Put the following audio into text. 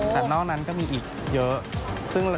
แต่นอกนั้นก็มีอีกเยอะ